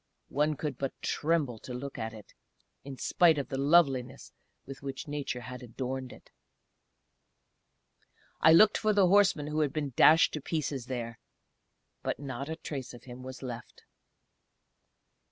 One could but tremble to look at it, in spite of the loveliness with which Nature had adorned it. I looked for the horseman who had been dashed to pieces there, but not a trace of him was left.